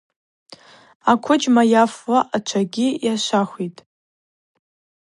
Аквыджьма йафуа ачвала йашвахитӏ.